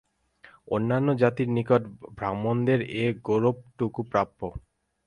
অন্যান্য জাতির নিকট ব্রাহ্মণদের এ গৌরবটুকু প্রাপ্য।